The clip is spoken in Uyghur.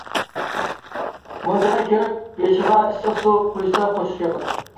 مۇنچىغا كىرىپ بېشىغا ئىسسىق سۇ قۇيسا خۇش ياقىدۇ.